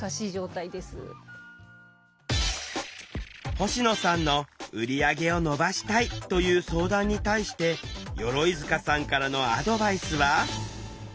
星野さんの「売り上げを伸ばしたい！」という相談に対して鎧塚さんからのアドバイスは？